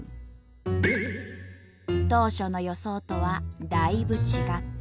当初の予想とはだいぶ違った。